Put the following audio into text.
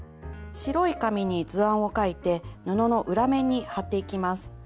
白い紙に図案を描いて布の裏面に貼っていきます。